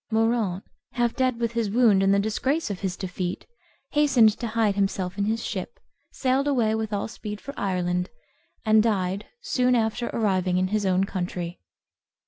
Moraunt, half dead with his wound and the disgrace of his defeat, hastened to hide himself in his ship, sailed away with all speed for Ireland, and died soon after arriving in his own country.